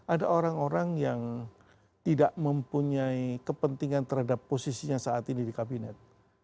ada orang orang yang tidak mempunyai kepentingan terhadap posisinya saat ini di kabinet